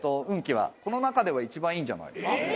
運気はこの中では一番いいんじゃないですか？